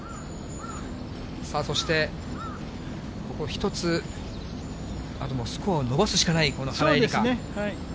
さあ、そして、ここ１つ、あともうスコアを伸ばすしかない、この原英莉花。